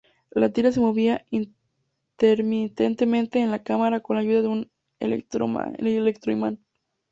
La tira se movía intermitentemente en la cámara con la ayuda de un electroimán.